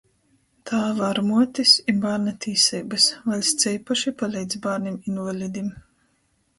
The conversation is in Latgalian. Tāva ar muotis i bārna tīseibys. Vaļsts eipaši paleidz bārnim invalidim,